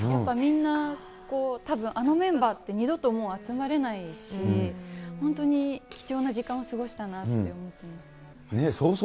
みんなたぶん、あのメンバーって二度ともう集まれないし、本当に貴重な時間を過ごしたなって思ってます。